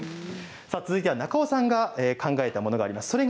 続いては中尾さんが考えたものです。